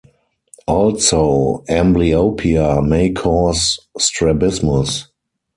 Also, amblyopia may cause strabismus.